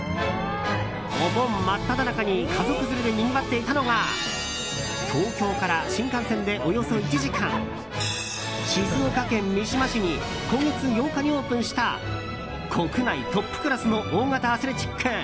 お盆真っただ中に家族連れでにぎわっていたのが東京から新幹線でおよそ１時間静岡県三島市に今月８日にオープンした国内トップクラスの大型アスレチック